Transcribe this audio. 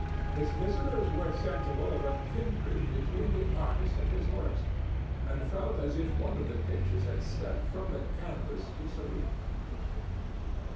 His visitors were sensible of a kindred between the artist and his works, and felt as if one of the pictures had stepped from the canvas to salute them.